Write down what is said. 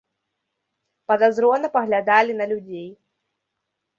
Падазрона паглядалі на людзей.